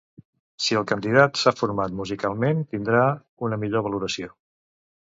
Si el candidat s'ha format musicalment tindrà una millor valoració.